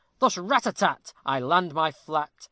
Thus rat a tat! I land my flat!